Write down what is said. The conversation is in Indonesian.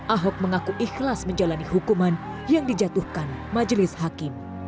ahok mengaku ikhlas menjalani hukuman yang dijatuhkan majelis hakim